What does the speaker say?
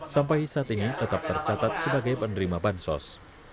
sampai saat ini tetap tercatat sebagai penerima bansos